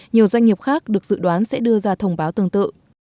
nhiều doanh nghiệp khác được dự đoán sẽ đưa ra thông báo tương tự